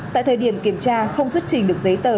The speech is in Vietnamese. tại thời điểm kiểm tra không xuất trình được giấy tờ